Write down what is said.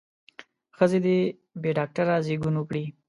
ښځې دې بې ډاکتره زېږون وکړي.